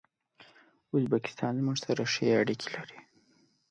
ازبکستان زموږ سره ښې اړیکي لري.